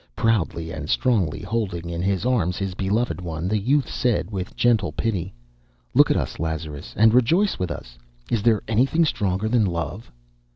Proudly and strongly holding in his arms his beloved one, the youth said, with gentle pity: "Look at us, Lazarus, and rejoice with us. Is there anything stronger than love?"